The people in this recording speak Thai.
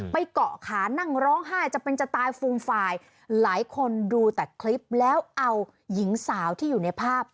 เกาะขานั่งร้องไห้จะเป็นจะตายฟูมฟายหลายคนดูแต่คลิปแล้วเอาหญิงสาวที่อยู่ในภาพ